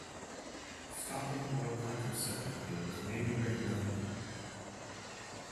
Stopping oral contraceptive pills may be recommended.